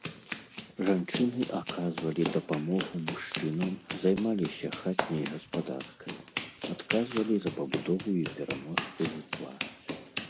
Жанчыны аказвалі дапамогу мужчынам, займаліся хатняй гаспадаркай, адказвалі за пабудову і пераноску жытла.